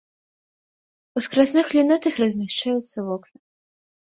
У скразных люнетах размяшчаюцца вокны.